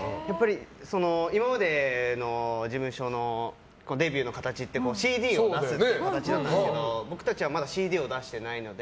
今までの事務所のデビューの形ってＣＤを出すっていう形だったんですけど僕たちはまだ僕たちはまだＣＤを出してないので。